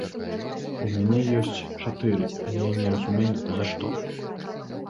У мяне ёсць чатыры, але я не разумею, за што.